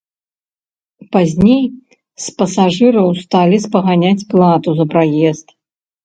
Пазней з пасажыраў сталі спаганяць плату за праезд.